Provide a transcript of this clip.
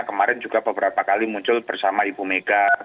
kemarin juga beberapa kali muncul bersama ibu mega